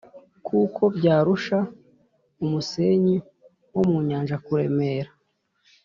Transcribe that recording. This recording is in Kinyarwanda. kuko byarusha umusenyi wo mu nyanja kuremera,